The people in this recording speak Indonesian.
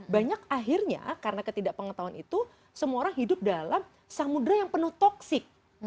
banyak akhirnya karena ketidakpengetahuan itu semua orang hidup dalam samudera yang penuh toksik